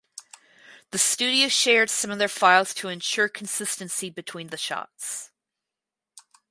The studios shared some of their files to ensure consistency between the shots.